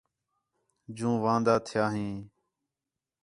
جوں واندا تھیاں ہیں